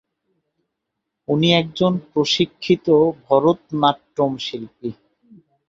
উনি একজন প্রশিক্ষিত ভরতনাট্যম শিল্পী।